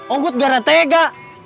agut gara tega